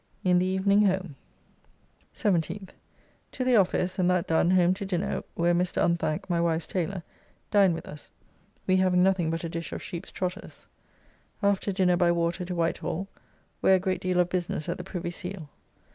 In the evening home. 17th. To the office, and that done home to dinner where Mr. Unthanke, my wife's tailor, dined with us, we having nothing but a dish of sheep's trotters. After dinner by water to Whitehall, where a great deal of business at the Privy Seal.